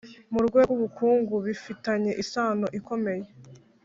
mu rwego rw'ubukungu bifitanye isano ikomeye.